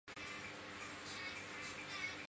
柳橙大战是义大利最大的食物大战。